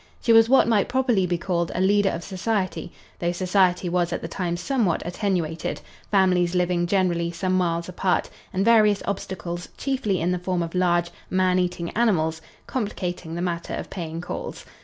She was what might properly be called a leader of society, though society was at the time somewhat attenuated, families living, generally, some miles apart, and various obstacles, chiefly in the form of large, man eating animals, complicating the matter of paying calls.